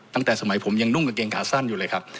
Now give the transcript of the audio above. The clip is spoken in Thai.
ตั้งแต่สมัยผมยังนุ่งกางเกงขาสั้นอยู่เลยครับ